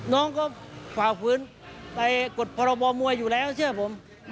น้องก็ฝ่าฝืนไปกฎพรบมวยอยู่แล้วเชื่อผม